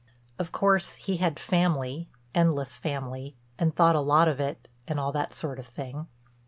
Of course he had family, endless family, and thought a lot of it and all that sort of thing.